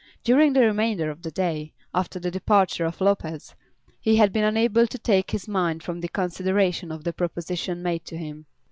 During the remainder of the day, after the departure of Lopez, he had been unable to take his mind from the consideration of the proposition made to him.